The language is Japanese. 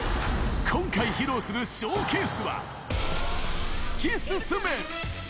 今回、披露するショーケースは、突き進め！